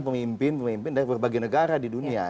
pemimpin pemimpin dari berbagai negara di dunia